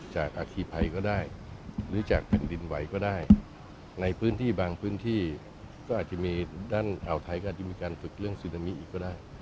จากอาคีภัยก็ได้หรือจากแผ่นดินไหวก็ได้ในพื้นที่บางพื้นที่ก็อาจจะมีด้านอ่าวไทยก็อาจจะมีการฝึกเรื่องซึนามิอีกก็ได้